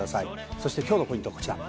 そして、きょうのポイントはこちら。